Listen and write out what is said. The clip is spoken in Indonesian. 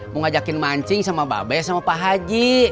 mau ngajakin mancing sama mbak bes sama pak haji